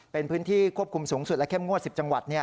เป็นพื้นที่ควบคุมสูงสุดและเข้มงวด๑๐จังหวัด